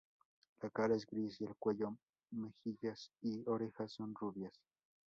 La cara es gris y el cuello, mejillas y orejas son rubias.